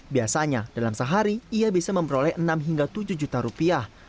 biasanya dalam sehari ia bisa memperoleh enam hingga tujuh juta rupiah